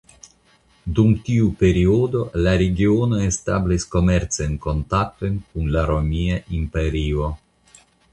Dum tiu periodo la regiono establis komercajn kontaktojn kun la Romia Imperio.